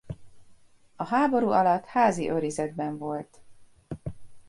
A háború alatt házi őrizetben volt.